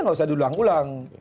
nggak usah diulang ulang